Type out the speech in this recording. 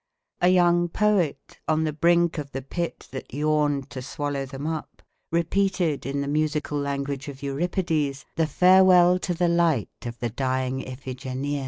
A young poet on the brink of the pit that yawned to swallow them up, repeated in the musical language of Euripides, the farewell to the light of the dying Iphigenia.